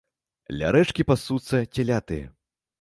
Ля рэчкі пасуцца цяляты.